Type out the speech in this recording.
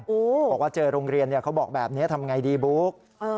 บอกว่าเจอโรงเรียนเขาบอกแบบนี้ทำไงดีบุ๊ก